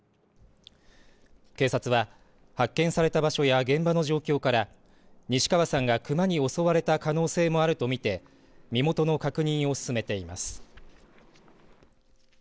警察は発見された場所や現場の状況から西川さんが熊に襲われた可能性もあると見て身元の確認を進めています。